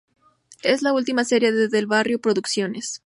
Es la última serie de Del barrio producciones.